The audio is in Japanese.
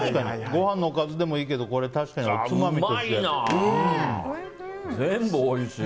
ご飯のおかずでもいいけどこれ確かに、おつまみとして。